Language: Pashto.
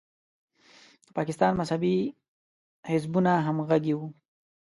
د پاکستان مذهبي حزبونه همغږي وو.